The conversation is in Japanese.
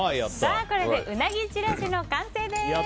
これでウナギちらしの完成です。